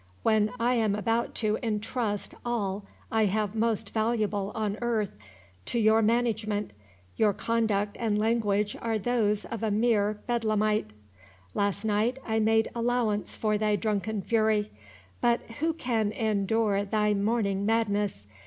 —"When I am about to intrust all I have most valuable on earth to your management, your conduct and language are those of a mere Bedlamite. Last night I made allowance for thy drunken fury; but who can endure thy morning madness?